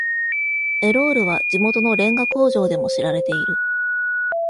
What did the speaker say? エロールは地元のれんが工場でも知られている。